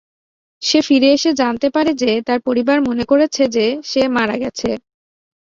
সে ফিরে এসে জানতে পারে যে তার পরিবার মনে করেছে যে সে মারা গেছে।